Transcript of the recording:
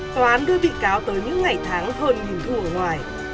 tòa án đưa bị cáo tới những ngày tháng hơn thu ở ngoài